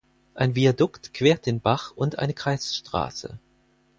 Ein Viadukt quert den Bach und eine Kreisstraße.